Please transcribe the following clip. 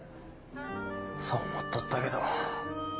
そう思うとったけど。